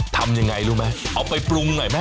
ทำยังไงรู้ไหมเอาไปปรุงหน่อยไหม